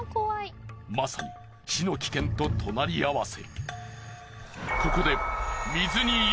まさに死の危険と隣り合わせ。